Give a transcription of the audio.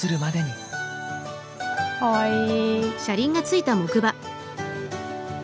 かわいい！